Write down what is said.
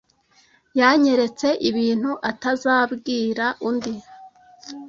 Yanyeretse ibintu atazabwira undi.